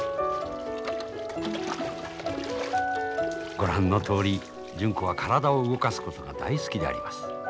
ご覧のとおり純子は体を動かすことが大好きであります。